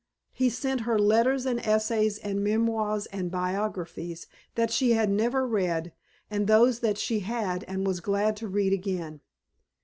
He sent her Letters and Essays and Memoirs and Biographies that she had never read and those that she had and was glad to read again.